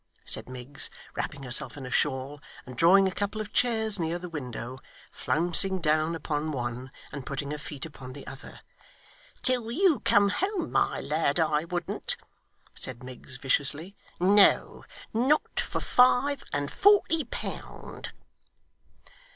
said Miggs, wrapping herself in a shawl, and drawing a couple of chairs near the window, flouncing down upon one, and putting her feet upon the other, 'till you come home, my lad. I wouldn't,' said Miggs viciously, 'no, not for five and forty pound!